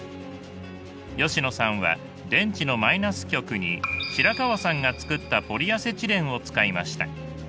吉野さんは電池のマイナス極に白川さんが作ったポリアセチレンを使いました。